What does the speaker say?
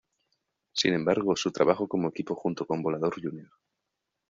Sin embargo, su trabajo como equipo junto con Volador, Jr.